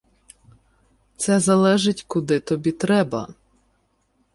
"Це залежить куди тобі треба".